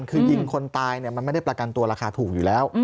คือยิงคนตายมันไม่ได้ประกันตัวราคาถูกอยู่แล้ว